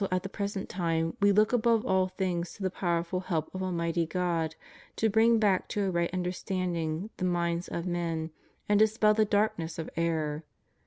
at the present time we look above all things to the power ful help of Almighty God to bring back to a right under standing the minds of men and dispel the darkness of error.